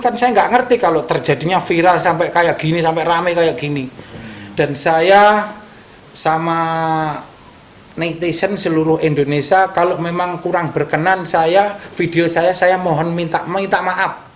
netizen seluruh indonesia kalau memang kurang berkenan saya video saya saya mohon minta maaf